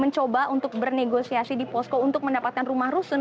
mereka tidak berhasil untuk bernegosiasi di posko untuk mendapatkan rumah rusun